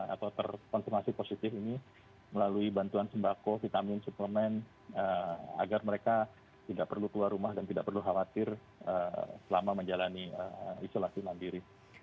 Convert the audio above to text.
atau terkonfirmasi positif ini melalui bantuan sembako vitamin suplemen agar mereka tidak perlu keluar rumah dan tidak perlu khawatir selama menjalani isolasi mandiri